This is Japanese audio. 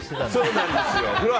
そうなんです。